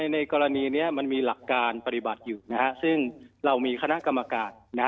ในกรณีนี้มันมีหลักการปฏิบัติอยู่ซึ่งเรามีคณะกรรมการ